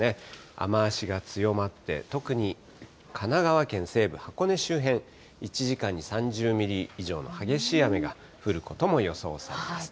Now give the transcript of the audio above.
雨足が強まって、特に神奈川県西部、箱根周辺、１時間に３０ミリ以上の激しい雨が降ることも予想されます。